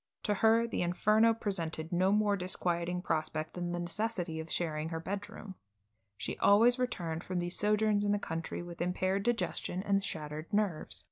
To her the Inferno presented no more disquieting prospect than the necessity of sharing her bedroom. She always returned from these sojourns in the country with impaired digestion, and shattered nerves.